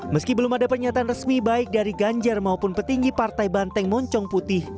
meski belum ada pernyataan resmi baik dari ganjar maupun petinggi partai banteng moncong putih